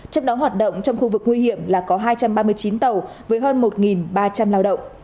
trong đó hoạt động trong khu vực nguy hiểm là có hai trăm ba mươi chín tàu với hơn một ba trăm linh lao động